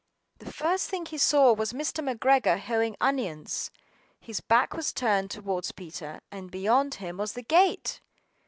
The first thing he saw was Mr. McGregor hoeing onions. His back was turned towards Peter, and beyond him was the gate!